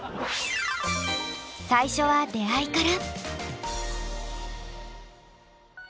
最初は出会いから。